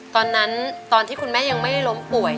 ตอนนั้นตอนที่คุณแม่ยังไม่ล้มป่วย